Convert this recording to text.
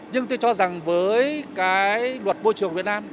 nhưng tôi cho rằng với cái luật môi trường việt nam